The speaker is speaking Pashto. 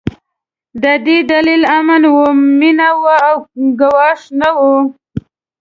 د دې دلیل امن و، مينه وه او ګواښ نه و.